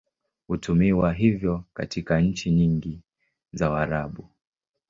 Hutumiwa hivyo katika nchi nyingi za Waarabu.